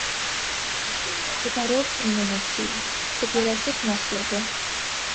მდებარეობს რუმინეთში, ფეგერაშის მასივზე.